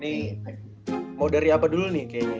ini mau dari apa dulu nih kayaknya